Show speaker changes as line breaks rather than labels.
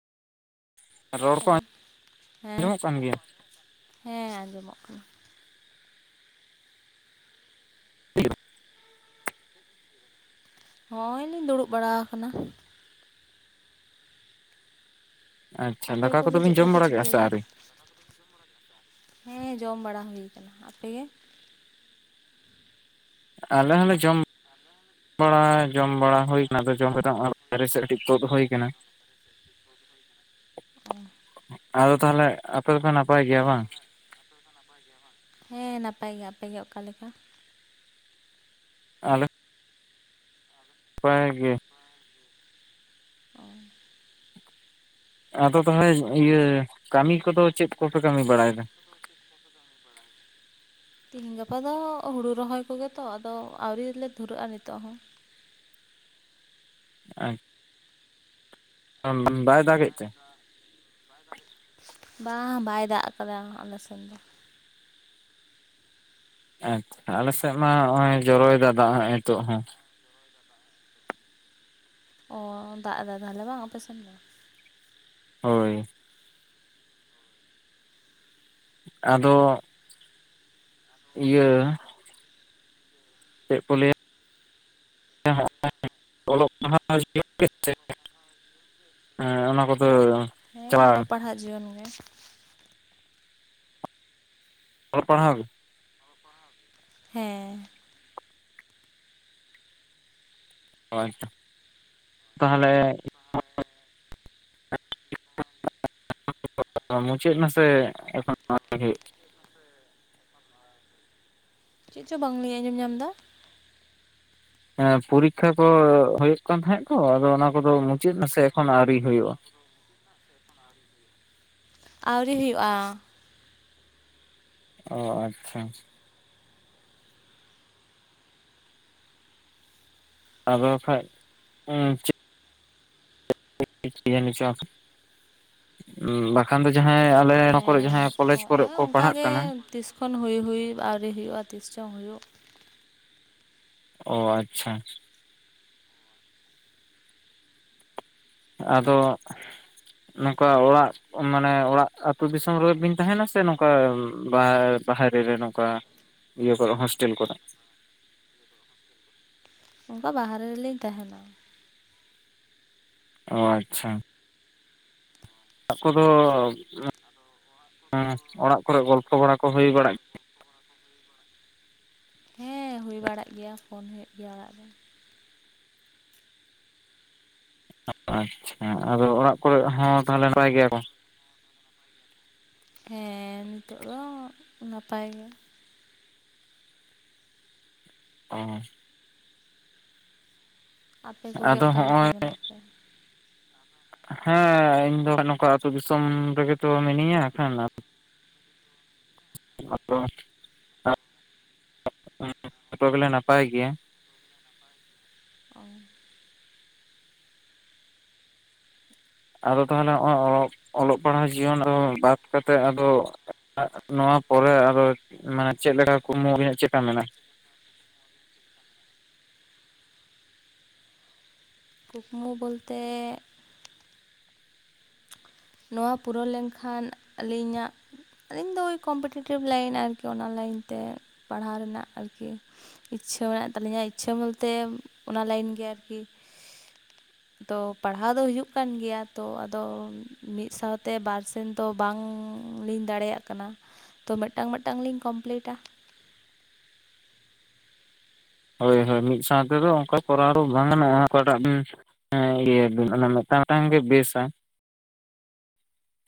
ᱨᱚᱲ ᱠᱚ
ᱦᱮᱞᱳ ᱦᱮᱸ
ᱟᱸᱡᱚᱢᱚᱜ ᱠᱟᱱ ᱜᱮᱭᱟ?
ᱦᱮᱸ ᱟᱸᱡᱚᱢᱚᱜ ᱠᱟᱱᱟ
[inaudible]
ᱦᱳᱭᱞᱤᱧ ᱫᱩᱲᱩᱵ ᱵᱟᱲᱟ ᱟᱠᱟᱱᱟ
ᱟᱪᱪᱷᱟ
ᱟᱯᱮ
ᱫᱟᱠᱟ ᱠᱚᱫᱚ
ᱠᱚᱜᱮ
ᱵᱤᱱ
ᱪᱮᱫ
ᱡᱚᱢ
ᱠᱚᱯᱮ
ᱵᱟᱲᱟ ᱠᱮᱫᱼᱟ ᱥᱮ
ᱪᱤᱠᱟᱹᱭᱮᱫᱟ
ᱟᱹᱣᱨᱤ?
ᱦᱮᱸ ᱡᱚᱢ ᱵᱟᱲᱟ ᱦᱩᱭ ᱟᱠᱟᱱᱟ ᱟᱯᱮᱜᱮ
ᱟᱞᱮ ᱦᱚᱸᱞᱮ ᱡᱚᱢ ᱵᱟᱲᱟ ᱡᱚᱢ ᱵᱟᱲᱟ ᱦᱩᱭ ᱟᱠᱟᱱᱟ ᱟᱫᱚ ᱡᱚᱢ ᱠᱟᱛᱮ ᱱᱚᱜ ᱚᱭ ᱵᱟᱭᱨᱮ ᱥᱮᱫ ᱠᱟᱴᱤᱡ ᱛᱩᱫ ᱦᱩᱭ ᱟᱠᱟᱱᱟ
ᱚ
ᱟᱫᱚ ᱛᱟᱦᱚᱞᱮ ᱟᱯᱮ ᱫᱚᱯᱮ ᱱᱟᱯᱟᱭ ᱜᱮᱭᱟ ᱵᱟᱝ
ᱦᱮᱸ ᱱᱟᱯᱟᱭ ᱜᱮ ᱟᱯᱮᱜᱮ ᱚᱠᱟᱞᱮᱠᱟ
ᱟᱞᱮ ᱵᱟᱭ ᱜᱮ
ᱚ
ᱟᱫᱚ ᱛᱟᱦᱚᱞᱮ ᱤᱭᱟᱹ ᱠᱟᱹᱢᱤ ᱠᱚᱫᱚ ᱪᱮᱫ ᱠᱚᱯᱮ ᱠᱟᱹᱢᱤ ᱵᱟᱲᱟᱭᱮᱫᱟ
ᱜᱟᱯᱟ ᱫᱚ ᱦᱩᱲᱩ ᱨᱚᱦᱚᱭ ᱠᱚᱜᱮᱛᱚ ᱟᱫᱚ ᱟᱹᱣᱨᱤ ᱞᱮ ᱫᱷᱩᱨᱟᱹᱜᱼᱟ ᱱᱤᱛᱚᱜ ᱦᱚᱸ
ᱟᱪ [unintelligible] ᱵᱟᱭ ᱫᱟᱜᱮᱫ ᱛᱮ
ᱵᱟᱝ ᱵᱟᱭ ᱫᱟᱜ ᱠᱟᱫᱟ ᱟᱞᱮ ᱥᱮᱱ ᱫᱚ᱾
ᱦᱮᱸ ᱟᱞᱮ ᱥᱮᱫ ᱢᱟ ᱱᱚᱜᱼᱚᱭ ᱡᱚᱨᱚᱭᱮᱫᱟ ᱫᱟᱜ ᱦᱚᱸ ᱱᱤᱛᱚᱜ ᱦᱚᱸ
ᱚ ᱫᱟᱜ ᱫᱟᱭ ᱛᱟᱦᱚᱞᱮ ᱵᱟᱝ ᱚᱯᱮᱥᱮᱱ ᱫᱚ
ᱦᱳᱭ ᱟᱫᱚᱻ ᱤᱭᱟᱹ ᱪᱮᱫ ᱠᱚ ᱞᱟᱹᱭᱟ ᱚᱞᱚᱜ ᱯᱟᱲᱦᱟᱣ [inaudible] ᱦᱮᱸ ᱚᱱᱟ ᱠᱚᱫᱚ
ᱦᱮᱸ
ᱪᱟᱞᱟᱣ
ᱚᱞᱚᱜ ᱯᱟᱲᱦᱟᱜ ᱡᱤᱭᱚᱱ ᱜᱮ
ᱚᱞᱯᱟᱲᱦᱟᱣ
ᱦᱮᱸ
ᱦᱳᱭ ᱟᱪᱷᱟ ᱛᱟᱦᱚᱞᱮ [unintelligible] [unintelligible] ᱢᱩᱪᱟᱹᱫ ᱮᱱᱟᱥᱮ ᱮᱠᱷᱚᱱ ᱦᱩᱭᱩᱜ [inaudible]
ᱪᱮᱫ ᱪᱚᱝ ᱵᱟᱝᱞᱤᱧ ᱟᱸᱡᱚᱢ ᱧᱟᱢ ᱮᱫᱟ?
ᱯᱚᱨᱤᱠᱠᱷᱟ ᱠᱚ ᱦᱩᱭᱩᱜ ᱠᱟᱱ ᱛᱟᱦᱮᱸᱫ ᱛᱚ, ᱟᱫᱚ ᱚᱱᱟ ᱠᱚᱫᱚ ᱢᱩᱪᱟᱹᱫ ᱮᱱᱟᱥᱮ ᱮᱠᱷᱚᱱ ᱟᱹᱣᱨᱤ ᱦᱩᱭᱩᱜᱼᱟ?
ᱟᱣᱨᱤ ᱦᱩᱭᱩᱜᱼᱟ᱾
ᱚ ᱟᱪᱪᱷᱟ ᱟᱫᱚ ᱵᱟᱠᱷᱟᱡ [unintelligible] [unintelligible] ᱵᱟᱠᱷᱟᱱ ᱫᱚ ᱡᱟᱦᱟᱸᱭ ᱟᱞᱮ ᱱᱚᱣᱟ ᱠᱚᱨᱮ ᱡᱟᱦᱟᱸᱭ
ᱦᱮᱸ
ᱠᱚᱞᱮᱡᱽ ᱠᱚᱨᱮ ᱠᱚ ᱯᱟᱲᱦᱟᱜ ᱠᱟᱱᱟ᱾
ᱮᱠᱷᱚᱱ ᱦᱩᱭ ᱦᱩᱭ ᱟᱹᱣᱨᱤ ᱦᱩᱭᱩᱜᱼᱟ᱾ ᱛᱤᱥ ᱪᱚᱝ ᱦᱩᱭᱩᱜ,
ᱚ ᱟᱪᱪᱷᱟ ᱟᱫᱚ, ᱱᱚᱝᱠᱟ ᱚᱲᱟᱜ ᱢᱟᱱᱮ ᱚᱲᱟᱜ ᱟᱹᱛᱩ ᱫᱤᱥᱚᱢ ᱨᱮ ᱵᱤᱱ ᱛᱟᱦᱮᱱᱟ ᱥᱮ ᱱᱚᱝᱠᱟ ᱵᱟᱦᱨᱮ ᱨᱮ ᱱᱚᱝᱠᱟ ᱤᱭᱟᱹ ᱠᱚᱨᱮ ᱦᱳᱥᱴᱮᱞ ᱠᱚᱨᱮ
ᱚᱱᱠᱟ ᱵᱟᱦᱨᱮ ᱨᱮᱞᱤᱧ ᱛᱟᱦᱮᱱᱟ᱾
ᱚ ᱟᱪᱪᱷᱟ ᱟᱠᱚ ᱫᱚ [unintelligible] ᱚᱲᱟᱜ ᱠᱚᱨᱮ ᱜᱚᱞᱯᱷᱚ ᱵᱟᱲᱟ ᱠᱚ ᱦᱩᱭ ᱵᱟᱲᱟᱜ ᱜᱮᱭᱟ᱾
ᱦᱮᱸ ᱦᱩᱭ ᱵᱟᱲᱟᱜ ᱜᱮᱭᱟ ᱯᱷᱳᱱ ᱦᱩᱭᱩᱜ ᱜᱮᱭᱟ ᱚᱲᱟᱜ ᱨᱮ᱾
[unintelligible] ᱟᱪᱪᱷᱟ, ᱟᱫᱚ ᱚᱲᱟᱜ ᱠᱚᱨᱮ ᱦᱚᱸ ᱛᱟᱦᱚᱞᱮ ᱱᱟᱯᱟᱭ ᱜᱮᱭᱟ ᱠᱚ?
ᱦᱮᱸ ᱱᱤᱛᱳᱜ ᱫᱚ ᱱᱟᱯᱟᱭ ᱜᱮ᱾
ᱚ [unintelligible]
ᱟᱯᱮ ᱠᱚᱜᱮ
ᱟᱫᱚ
ᱚᱠᱟ ᱞᱮᱠᱟ
ᱦᱚᱸᱜᱼᱚᱭ
ᱢᱮᱱᱟᱜ ᱯᱮᱭᱟ?
ᱦᱮᱸ ᱤᱧ ᱫᱚᱜ ᱱᱚᱝᱠᱟ ᱟᱹᱛᱩ ᱫᱤᱥᱚᱢ ᱨᱮᱜᱮ ᱛᱚ ᱢᱤᱱᱟᱹᱧᱟ ᱠᱷᱟᱱ ᱟᱫᱚ [unintelligible] ᱡᱚᱛᱚ ᱜᱮᱞᱮ ᱱᱟᱯᱟᱭ ᱜᱮᱭᱟᱺ
ᱚ
ᱟᱫᱚ ᱛᱟᱦᱚᱞᱮ [inaudible] ᱚᱞᱚᱜ ᱯᱟᱲᱦᱟᱜ ᱡᱤᱭᱚᱱ ᱫᱚ ᱵᱟᱫ ᱠᱟᱛᱮᱫ ᱟᱫᱚ [unintelligible] ᱱᱚᱣᱟ ᱯᱚᱨᱮ ᱟᱨ ᱦᱚᱸ ᱢᱟᱱᱮ ᱪᱮᱫ ᱞᱮᱠᱟ ᱠᱩᱠᱢᱩ ᱟᱹᱵᱤᱱᱟᱜ ᱪᱮᱫᱠᱟ ᱢᱮᱱᱟ
ᱠᱩᱠᱢᱩ ᱵᱚᱞᱛᱮ ᱱᱚᱣᱟ ᱯᱩᱨᱟᱹᱣ ᱞᱮᱱᱠᱷᱟᱱ ᱟᱹᱞᱤᱧᱟᱜ ᱤᱧ ᱫᱚ ᱳᱭ ᱠᱚᱢᱯᱤᱴᱮᱴᱤᱵᱷ ᱞᱟᱭᱤᱱ ᱟᱨᱠᱤ ᱚᱱᱟ ᱞᱟᱭᱤᱱ ᱛᱮ ᱯᱟᱲᱦᱟᱣ ᱨᱮᱱᱟᱜ ᱟᱨᱠᱤ ᱤᱪᱪᱷᱟᱹ ᱢᱮᱱᱟᱜ ᱛᱟᱹᱞᱤᱧᱟ, ᱤᱪᱪᱷᱟᱹ ᱵᱚᱞᱛᱮ ᱚᱱᱟ ᱞᱟᱭᱤᱱ ᱜᱮ ᱟᱨᱠᱤ ᱛᱚ ᱯᱟᱲᱦᱟᱣ ᱫᱚ ᱦᱩᱭᱩᱜ ᱠᱟᱱ ᱜᱮᱭᱟ, ᱛᱚ ᱟᱫᱚ ᱢᱤᱫ ᱥᱟᱶᱛᱮ ᱵᱟᱨ ᱥᱮᱱ ᱫᱚ ᱵᱟᱝᱞᱤᱧ ᱫᱟᱲᱮᱭᱟᱜ ᱠᱟᱱᱟ᱾ ᱛᱚ ᱢᱮᱫᱴᱟᱝ ᱢᱮᱫᱴᱟᱝ ᱞᱤᱧ ᱠᱚᱢᱯᱞᱤᱴᱟ᱾
ᱦᱳᱭ ᱦᱳᱭ ᱢᱤᱫ ᱥᱟᱶ ᱛᱮᱫᱚ ᱚᱱᱠᱟ ᱠᱚᱨᱟᱣ ᱫᱚ ᱵᱟᱝ ᱜᱟᱱᱚᱜᱼᱟ ᱚᱠᱟᱴᱟᱜ [unintelligible] ᱦᱮᱸ ᱤᱭᱟᱹ ᱵᱤᱱ ᱚᱱᱟ ᱢᱤᱫᱴᱟᱝ ᱢᱤᱫᱴᱟᱝ ᱜᱮ ᱵᱮᱥᱟ᱾